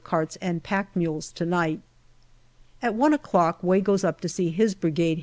carts and pack mules to night. At i o'clock Way goes up to see his Brigade H.